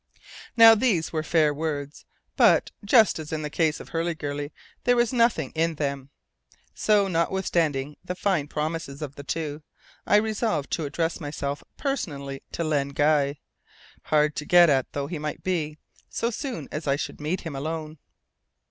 Now, these were fair words, but, just as in the case of Hurliguerly, there was nothing in them. So, notwithstanding the fine promises of the two, I resolved to address myself personally to Len Guy, hard to get at though he might be, so soon as I should meet him alone.